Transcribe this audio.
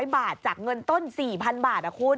๐บาทจากเงินต้น๔๐๐๐บาทคุณ